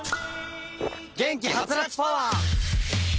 元気ハツラツパワー！